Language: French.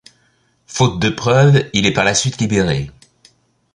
Faute de preuves, il est par la suite libéré.